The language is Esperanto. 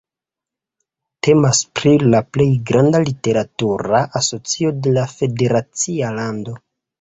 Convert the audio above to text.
Temas pri la plej granda literatura asocio de la federacia lando.